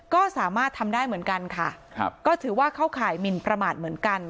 ก็สามารถทำได้เหมือนกันค่ะครับก็ถือว่าเข้าข่ายหมินประมาทเหมือนกัน